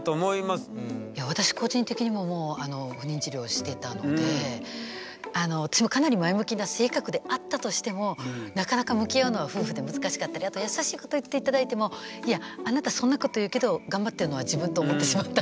私個人的にも私もかなり前向きな性格であったとしてもなかなか向き合うのは夫婦で難しかったりあと優しいこと言って頂いてもいやあなたそんなこと言うけど頑張ってるのは自分と思ってしまったり。